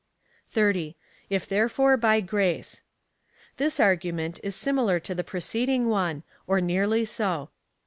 30. If therefore by grace. This argument is similar to the preceding one, or nearly so.